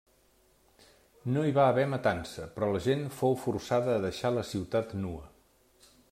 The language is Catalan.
No hi va haver matança però la gent fou forçada a deixar la ciutat nua.